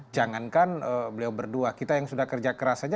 jangankan beliau berdua kita yang sudah kerja keras saja